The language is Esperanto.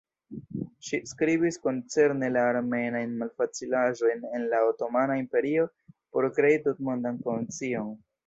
Ŝi skribis koncerne la armenajn malfacilaĵojn en la Otomana Imperio por krei tutmondan konscion.